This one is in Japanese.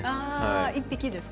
１匹ですか？